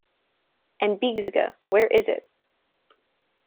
And Bexiga, where is it?